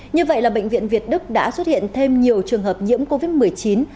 như vậy là bệnh viện việt đức đã xuất hiện thêm nhiều trường hợp nhiễm covid một mươi chín